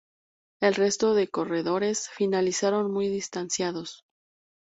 El resto de corredores finalizaron muy distanciados.